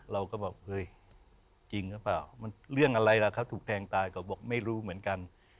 เราก็บอกเฮ้ยจริงหรือเปล่ามันเรื่องอะไรล่ะเขาถูกแทงตายก็บอกไม่รู้เหมือนกัน